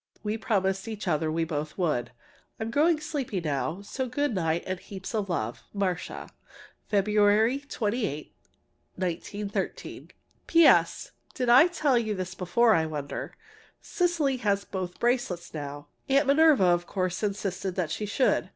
We promised each other we both would. I'm growing sleepy now, so good night and heaps of love. MARCIA. February 28, 1913. P. S. Did I tell you this before, I wonder? Cecily has both the bracelets now. Aunt Minerva, of course insisted that she should.